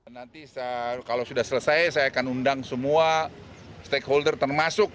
nanti kalau sudah selesai saya akan undang semua stakeholder termasuk